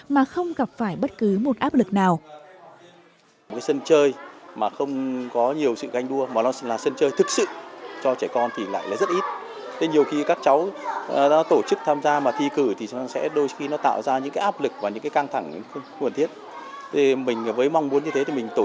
mà không gặp phải bất cứ một người